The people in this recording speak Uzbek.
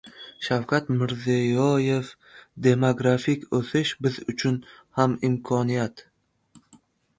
Shavkat Mirziyoev: "Demografik o‘sish biz uchun ham imkoniyat"